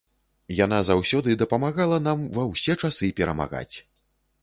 Яна заўсёды дапамагала нам ва ўсе часы перамагаць!